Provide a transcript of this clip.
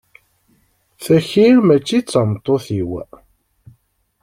Taki mačči d tameṭṭut-iw.